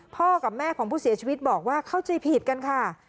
พ่อกับแม่ของผู้เสียชีวิตบอกว่าเข้าใจผิดกันค่ะ